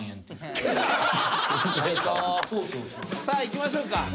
さあ行きましょうか。